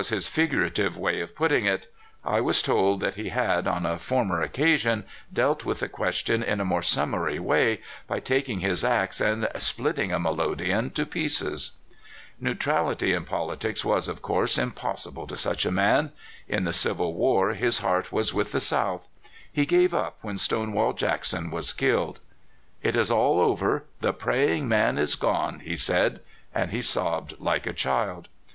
Jones. This was his figurative way of putting it. I was told that he had, on a former occasion, dealt with the question in a more summary way, by taking his ax and splitting a melodeon to pieces. Neutrality in politics was, of course, impossible to such a man. In the Civil War his heart was with the South. He gave up when Stonewall Jack son was killed. *' It is all over — the praying man is gone," he said, and he sobbed like a child.